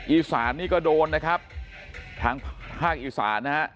อีสานนี่ก็โดนนะครับทางภาคอีสานนะฮะ